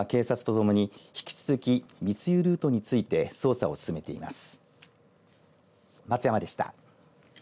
税関は警察とともに引き続き密輸ルートについて捜査を進めています。